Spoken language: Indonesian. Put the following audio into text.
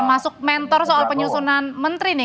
masuk mentor soal penyusunan menteri nih